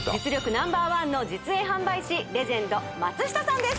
ナンバーワンの実演販売士レジェンド松下さんです